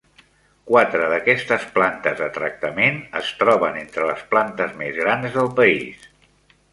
Quatre d'aquestes plantes de tractament es troben entre les plantes més grans del país.